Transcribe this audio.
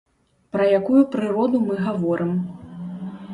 Пра якую прыроду мы гаворым?